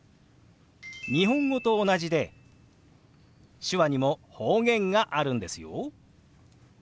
日本語と同じで手話にも方言があるんですよ。